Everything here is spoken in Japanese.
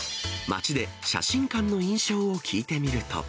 街で写真館の印象を聞いてみると。